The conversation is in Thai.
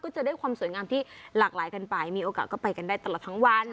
ก็จะได้ความสวยงามที่หลากหลายกันไปมีโอกาสก็ไปกันได้ตลอดทั้งวัน